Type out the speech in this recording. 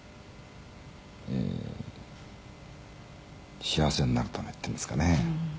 「うーん」「幸せになるためっていうんですかね」